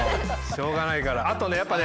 しょうがないから。